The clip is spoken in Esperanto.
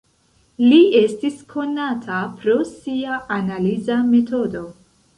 Li estis konata pro sia "Analiza Metodo".